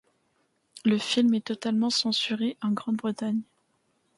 Le film est totalement censuré en Grande-Bretagne.